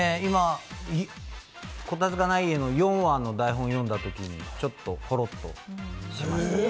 『コタツがない家』の４話の台本を読んだときにちょっとホロっとしました。